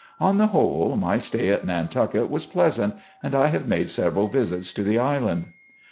On the whole, my stay at Nantucket was pleasant and I have made several visits to the island.